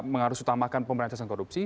mengarus utamakan pemerintah yang korupsi